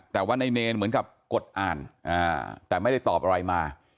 แต่ว่าในเนรเหมือนกับกดอ่านแต่ไม่ได้ตอบอะไรมา